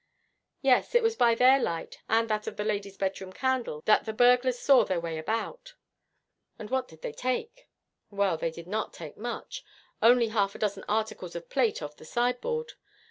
'Yes, it was by their light, and that of the lady's bedroom candle, that the burglars saw their way about.' 'And what did they take?' 'Well, they did not take much only half a dozen articles of plate off the sideboard.